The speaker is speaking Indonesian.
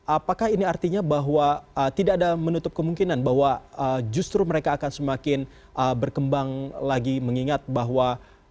apakah ini artinya bahwa tidak ada menutup kemungkinan bahwa justru mereka akan semakin berkembang lagi mengingat bahwa